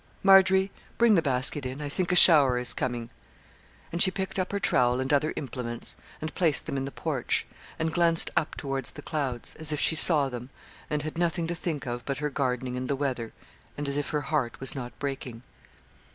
'Margery, bring the basket in; I think a shower is coming.' And she picked up her trowel and other implements, and placed them in the porch, and glanced up towards the clouds, as if she saw them, and had nothing to think of but her gardening and the weather, and as if her heart was not breaking.